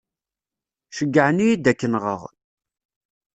Ceyyεen-iyi-d ad k-nɣeɣ.